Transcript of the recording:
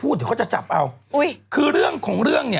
คุณหมอโดนกระช่าคุณหมอโดนกระช่า